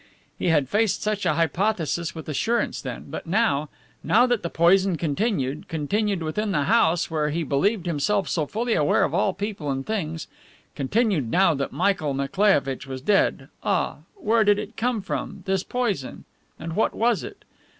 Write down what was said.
He had faced such a hypothesis with assurance then but now, now that the poison continued, continued within the house, where he believed himself so fully aware of all people and things continued now that Michael Nikolaievitch was dead ah, where did it come from, this poison? and what was it?